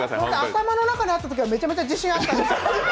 頭の中にあったときはめちゃめちゃ自信あったんですけど。